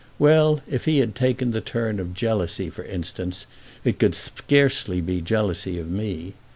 Well, if he had taken the turn of jealousy for instance it could scarcely be jealousy of me.